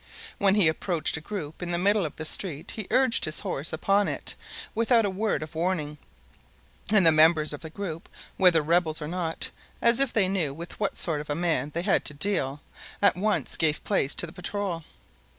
When he approached a group in the middle of the street he urged his horse upon it without a word of warning; and the members of the group, whether rebels or not, as if they knew with what sort of a man they had to deal, at once gave place to the patrol.